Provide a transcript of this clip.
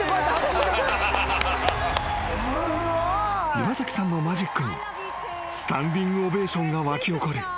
［岩崎さんのマジックにスタンディングオベーションが湧き起こる］